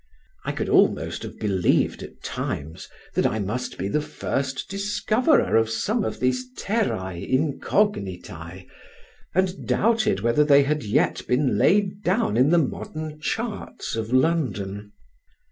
I could almost have believed at times that I must be the first discoverer of some of these terræ incognitæ, and doubted whether they had yet been laid down in the modern charts of London.